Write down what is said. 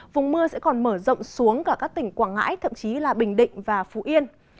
vùng mưa sẽ còn mở rộng xuống cả các tỉnh quảng ngãi thậm chí là bình định và phú yên